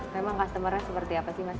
memang customer nya seperti apa sih mas